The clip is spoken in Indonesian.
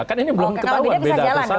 kan ini belum ketahuan beda atau sama